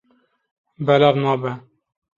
Belav nabe.